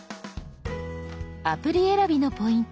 アプリ選びのポイント